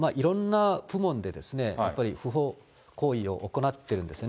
いろんな部門でやっぱり不法行為を行ってるんですよね。